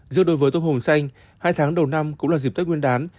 giữa đối với tôm hùm xanh hai tháng đầu năm cũng là dịp tách nguyên đán